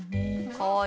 かわいい。